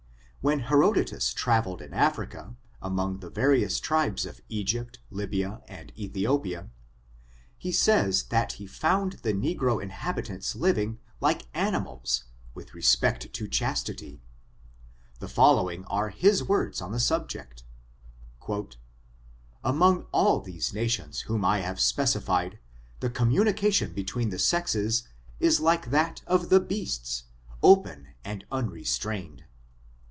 When Herodotus traveled in Africa, among the various tribes of Egypt, Lybia, and Ethiopia, he says that he found the negro inhabitants living like ani mals, with respect to chastity. The following are his words on the subject : "Among all these nations whom I have specified, the communication between '; the sexes is like that of the beasts — open and unre strained."